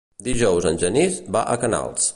Dijous en Genís va a Canals.